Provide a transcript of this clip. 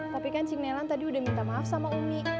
tapi kan si melan tadi udah minta maaf sama umi